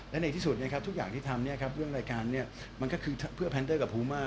และในที่สุดนะครับทุกอย่างที่ทำเรื่องรายการเนี่ยมันก็คือเพื่อแพนเตอร์กับฮูมา